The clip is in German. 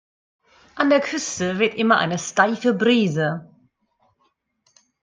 An der Küste weht immer eine steife Brise.